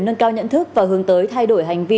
nâng cao nhận thức và hướng tới thay đổi hành vi